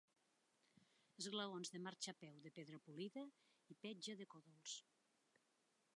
Esglaons de marxapeu de pedra polida i petja de còdols.